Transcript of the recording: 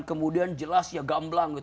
kemudian jelas ya gamblang